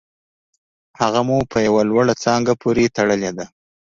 هغه مو په یوه لوړه څانګه پورې تړلې ده